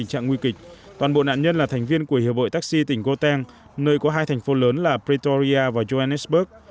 tình trạng nguy kịch toàn bộ nạn nhân là thành viên của hiệu bội taxi tỉnh goteng nơi có hai thành phố lớn là pretoria và johannesburg